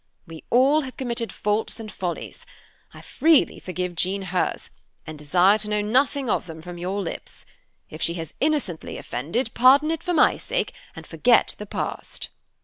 We all have committed faults and follies. I freely forgive Jean hers, and desire to know nothing of them from your lips. If she has innocently offended, pardon it for my sake, and forget the past."